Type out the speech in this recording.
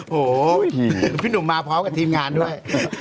โหเห้ยนุ่มพี่มีมาพร้อมกันทีมงานด้วย